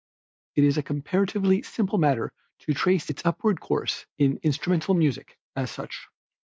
It is a comparatively simple matter to trace its upward course in instrumental music, as such.